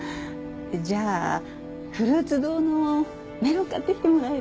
じゃあフルーツ堂のメロン買ってきてもらえる？